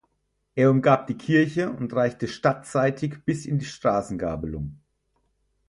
Er umgab die Kirche und reichte stadtseitig bis in die Straßengabelung.